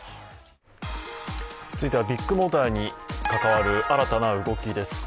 続いてはビッグモーターに関わる新たな動きです。